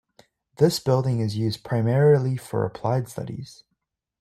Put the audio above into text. This building is used primarily for applied studies.